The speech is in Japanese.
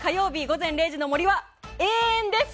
「午前０時の森」は永遠です！